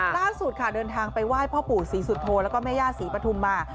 ตามสูตรค่ะเดินทางไปว่ายพ่อปู่ศรีสุทธโทแล้วก็แม่ย่าศรีปฐุมมา